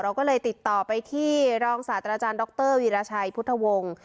เราก็เลยติดต่อไปที่รองศาสตราจารย์ดรวีรชัยพุทธวงศ์